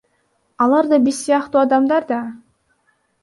Алар да биз сыяктуу адамдар да.